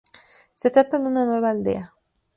Se trata de una nueva aldea.